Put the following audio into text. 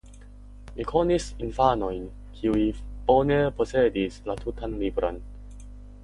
Mi konis infanojn kiuj fine posedis la tutan libron.